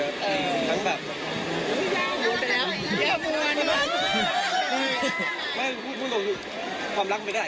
กลับมาดูความเมื่อกี้